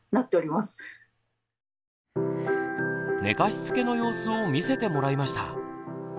寝かしつけの様子を見せてもらいました。